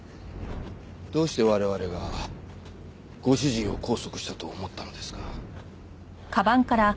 どうして我々がご主人を拘束したと思ったのですか？